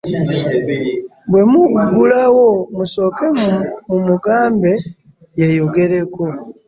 Bwe muggulawo musooke mumugambe yeeyogereko.